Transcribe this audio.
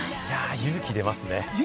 勇気が出ますね。